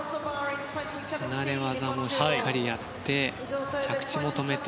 離れ技もしっかりやって着地も止めて。